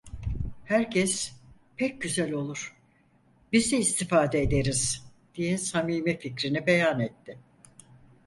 Herkes: "Pek güzel olur… Biz de istifade ederiz!" diye samimi fikrini beyan etti.